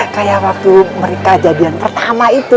kayak waktu mereka jadian pertama itu